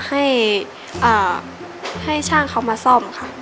ให้เอ่อให้ช่างเขามาซ่อมค่ะ